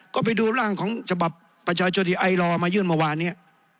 ก็ไปดูร่างของฉบับประชาชนที่ไอลอร์มายื่นเมื่อวานเนี่ย